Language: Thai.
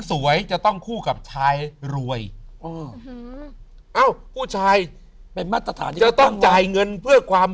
สวยจะต้องคู่กับชายรวยผู้ชายจะต้องจ่ายเงินเพื่อความ